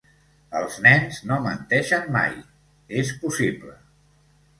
Els nens no menteixen mai, és possible.